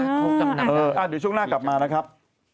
เดี๋ยวช่วงหน้ากลับมานะครับ